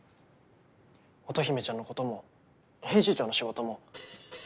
乙姫ちゃんのことも編集長の仕事も。